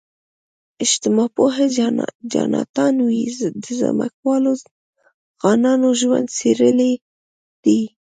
اجتماع پوه جاناتان وی د ځمکوالو خانانو ژوند څېړلی دی.